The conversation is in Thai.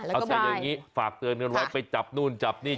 เอาใส่อย่างนี้ฝากเตือนกันไว้ไปจับนู่นจับนี่